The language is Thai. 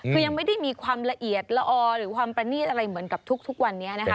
คือยังไม่ได้มีความละเอียดละออหรือความประนีตอะไรเหมือนกับทุกวันนี้นะคะ